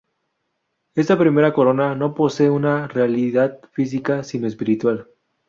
Esta primera corona no posee una realidad física, sino espiritual.